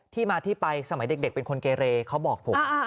ที่มาที่ไปสมัยเด็กเป็นคนเกเรเขาบอกผม